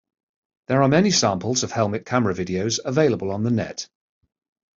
There are many samples of helmet camera videos available on the net.